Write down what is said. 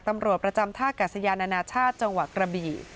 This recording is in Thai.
ตำรวจประจำท่ากัศยานานาชาติจังหวัดกระบี่